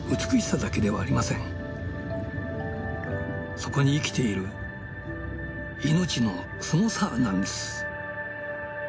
そこに生きている「命のすごさ」なんです。